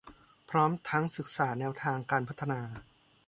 พร้อมทั้งศึกษาแนวทางการพัฒนา